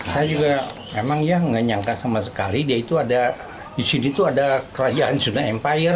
saya juga memang ya nggak nyangka sama sekali dia itu ada di sini tuh ada kerajaan sunda empire